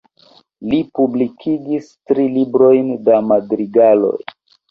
Li publikis tri librojn da madrigaloj.